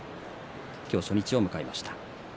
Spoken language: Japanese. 今日、初日を迎えました。